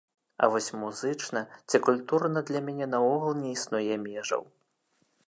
А вось музычна ці культурна для мяне наогул не існуе межаў.